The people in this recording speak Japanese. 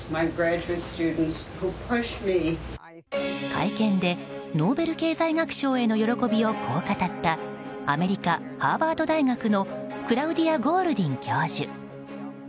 会見でノーベル経済学賞への喜びをこう語ったアメリカ・ハーバード大学のクラウディア・ゴールディン教授。